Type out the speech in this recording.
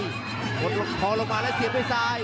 ชอบมือป่อลงมาลายเสียบไว้ซ้าย